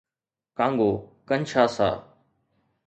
Congo - Kinshasa